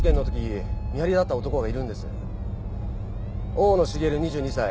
大野茂２２歳。